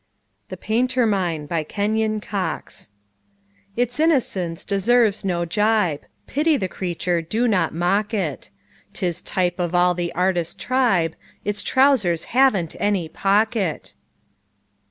THE PAINTERMINE BY KENYON COX Its innocence deserves no jibe Pity the creature, do not mock it. 'Tis type of all the artist tribe; Its trousers haven't any pocket!